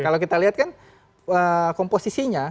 kalau kita lihat kan komposisinya